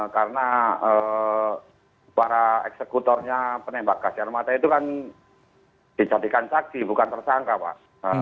karena para eksekutornya penembak kasihan mata itu kan dijadikan saksi bukan tersangka pak